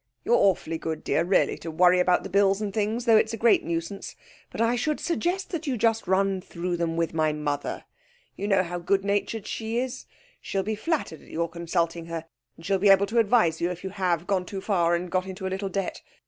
You're awfully good, dear, really, to worry about the bills and things, though it's a great nuisance, but I should suggest that you just run through them with my mother. You know how good natured she is. She'll be flattered at your consulting her, and she'll be able to advise you if you have gone too far and got into a little debt.